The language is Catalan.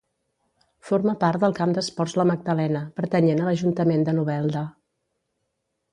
Forma part del Camp d'Esports La Magdalena, pertanyent a l'Ajuntament de Novelda.